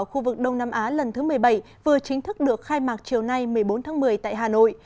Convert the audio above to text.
khu vực đông nam á lần thứ một mươi bảy vừa chính thức được khai mạc chiều nay một mươi bốn tháng một mươi tại hà nội